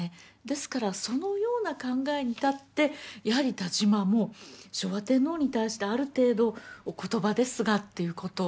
ですからそのような考えに立ってやはり田島も昭和天皇に対してある程度お言葉ですがということ